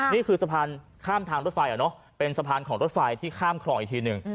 นี่คือสะพานข้ามทางรถไฟเป็นสะพานของรถไฟที่ข้ามคลองอีกทีหนึ่ง